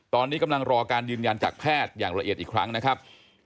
ตอนนี้กำลังรอการยืนยันจากแพทย์อย่างละเอียดอีกครั้งนะครับ